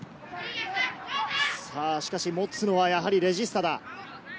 持つのはやはりレジスタだ。